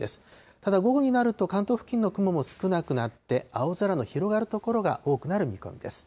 ただ午後になると、関東付近の雲も少なくなって、青空の広がる所が多くなる見込みです。